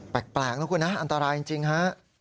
แปลกนะคุณนะอันตรายจริงฮะ